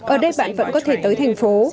ở đây bạn vẫn có thể tới thành phố